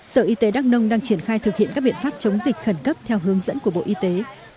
sở y tế đắk nông đang triển khai thực hiện các biện pháp chống dịch khẩn cấp theo hướng dẫn của bộ y tế